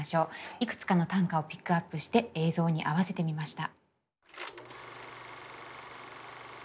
いくつかの短歌をピックアップして映像に合わせてみました。